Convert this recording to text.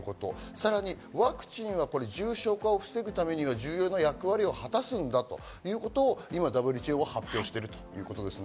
さらにワクチンは重症化を防ぐためには重要な役割を果たすんだということを今、ＷＨＯが発表しているということですね。